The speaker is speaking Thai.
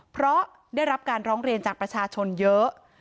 เพราะได้รับการร้องเรียนจากประชาชนเยอะ